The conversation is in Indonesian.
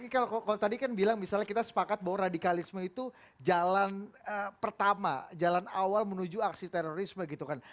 kalau tadi kan bilang misalnya kita sepakat bahwa radikalisme itu jalan pertama jalan awal menuju aksi terorisme gitu kan